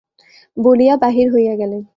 বলিয়া বাহির হইয়া গেলেন।